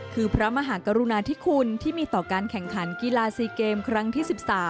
คือพระมหากรุณาธิคุณที่มีต่อการแข่งขันกีฬา๔เกมครั้งที่๑๓